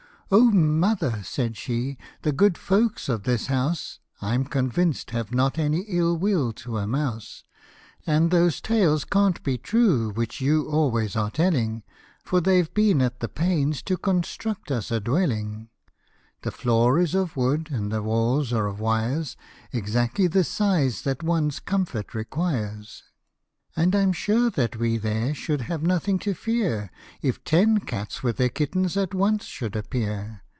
" Oh mother!" said she, "the good folks of this house, I'm convinced, have not any ill will to a mouse, And those tales can't be true which you always are telling, For they've been at the pains to construct us a dwelling. " The floor is of wood, and the walls are of wires, Exactly the size that one's comfort requires ; Tlie (/row X the Pi teller. The 'You n IL Mouse. 51 And Pm sure that we there should have nothing to fear, If ten cats with their kittens at once should appear.